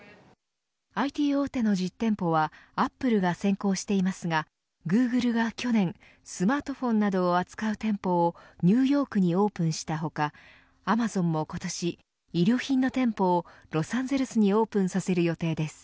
ＩＴ大手の実店舗はアップルが先行していますがグーグルが去年スマートフォンなどを扱う店舗をニューヨークにオープンした他アマゾンも今年衣料品の店舗をロサンゼルスにオープンさせる予定です。